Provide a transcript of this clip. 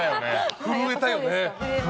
震えたよね。